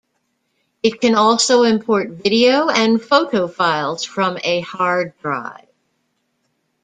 It can also import video and photo files from a hard drive.